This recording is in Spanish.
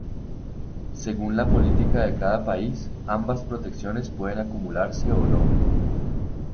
Según la política de cada país, ambas protecciones pueden acumularse o no.